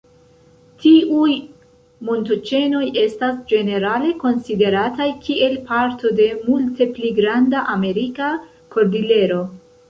Tiuj montoĉenoj estas ĝenerale konsiderataj kiel parto de multe pli granda Amerika kordilero.